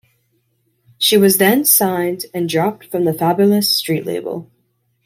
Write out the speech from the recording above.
She was then signed and dropped from the Fabolous street label.